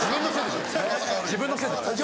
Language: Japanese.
・自分のせいでしょ